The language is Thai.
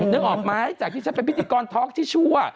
นึกออกไหมจากที่ฉันเป็นพิธีกรท็อกที่ชั่ว